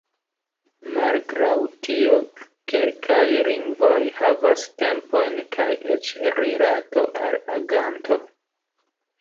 Malgraŭ tio, kelkaj lingvoj havas tempojn kaj eĉ rilato al aganto.